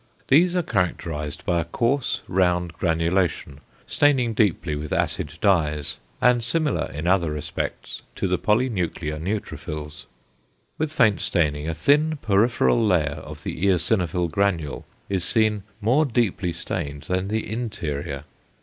= These are characterised by a coarse, round granulation, staining deeply with acid dyes, and similar in other respects to the polynuclear neutrophils. With faint staining, a thin peripheral layer of the eosinophil granule is seen more deeply stained than the interior.